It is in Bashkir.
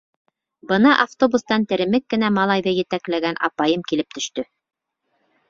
Бына автобустан теремек кенә малайҙы етәкләгән апайым килеп төштө.